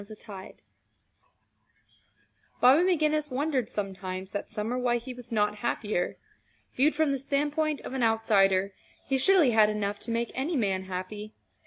CHAPTER XXXVI Bobby McGinnis wondered sometimes that summer why he was not happier. Viewed from the standpoint of an outsider, he surely had enough to make any man happy.